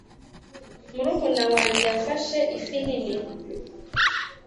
murumuna wanjye yafashe ifi nini